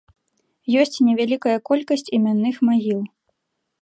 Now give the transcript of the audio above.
Ёсць невялікая колькасць імянных магіл.